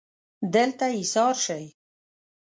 دلته ایسار شئ